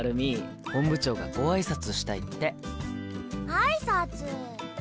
あいさつ！